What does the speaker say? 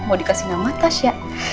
mau dikasih nama tasya